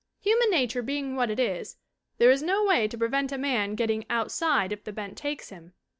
Human nature being what it is there is no way to prevent a man getting "outside" if the bent takes him.